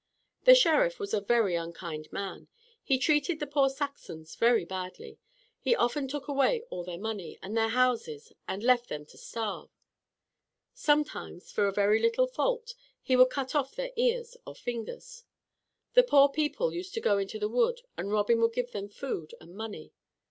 The Sheriff was a very unkind man. He treated the poor Saxons very badly. He often took away all their money, and their houses and left them to starve. Sometimes, for a very little fault, he would cut off their ears or fingers. The poor people used to go into the wood, and Robin would give them food and money.